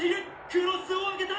クロスを上げた！